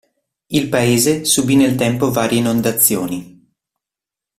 Il paese subì nel tempo varie inondazioni.